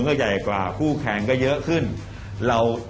ก็คิดว่าคนจีนคงรวยไง